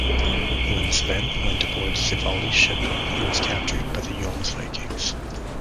When Sweyn went aboard Sigvaldi's ship, he was captured by the Jomsvikings.